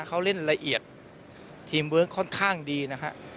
เขาเล่นละเอียดทีมเวิร์คค่อนข้างดีนะฮะ